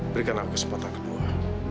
berikan aku kesempatan kedua